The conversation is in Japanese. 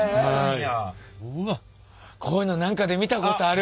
こういうの何かで見たことある！